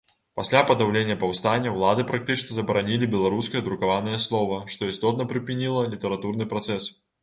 Пасля падаўлення паўстання ўлады практычна забаранілі беларускае друкаванае слова, што істотна прыпыніла літаратурны працэс.